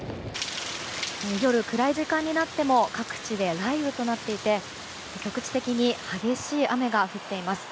夜、暗い時間になっても各地で雷雨となっていて局地的に激しい雨が降っています。